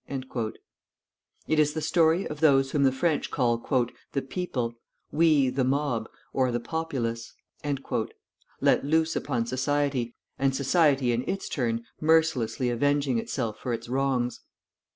_" It is the story of those whom the French call "the people," we "the mob," or "the populace," let loose upon society, and society in its turn mercilessly avenging itself for its wrongs.